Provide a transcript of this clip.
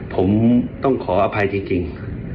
ผมต้องขออภัยจริง